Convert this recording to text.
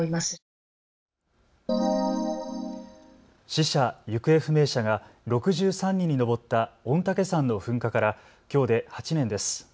死者・行方不明者が６３人に上った御嶽山の噴火からきょうで８年です。